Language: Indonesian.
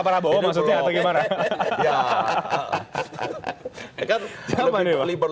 maksudnya pak prabowo atau gimana